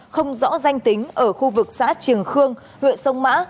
không rõ danh tính ở khu vực xã trường khương huyện sông mã